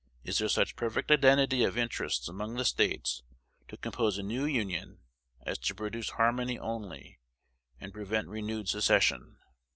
Is there such perfect identity of interests among the States to compose a new Union as to produce harmony only, and prevent renewed secession?